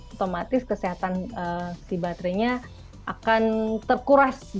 otomatis kesehatan si baterainya akan terkuras